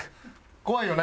怖いよな？